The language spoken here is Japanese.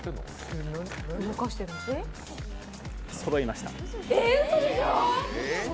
そろいました。